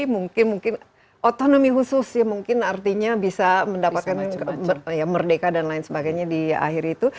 mungkin mungkin otonomi khusus ya mungkin artinya bisa mendapatkan merdeka dan lain sebagainya di akhir itu